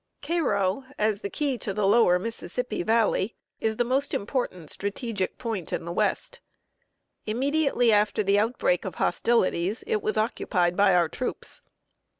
Cairo, as the key to the lower Mississippi valley, is the most important strategic point in the West. Immediately after the outbreak of hostilities, it was occupied by our troops.